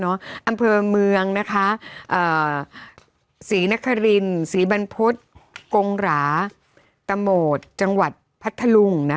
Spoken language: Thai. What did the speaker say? อำเภอเมืองนะคะศรีนครินศรีบรรพฤษกงหราตะโหมดจังหวัดพัทธลุง